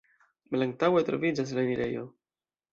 Malantaŭe troviĝas la enirejo.